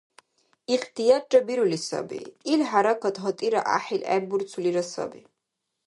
Ихтиярра бирули саби, ил хӀяракат гьатӀира гӀяхӀил гӀеббурцулира саби.